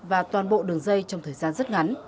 và toàn bộ đường dây trong thời gian rất ngắn